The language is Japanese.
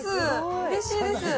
うれしいです。